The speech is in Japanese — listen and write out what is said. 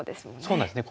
そうなんです。